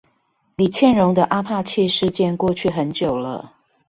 李蒨蓉的阿帕契事件過去很久了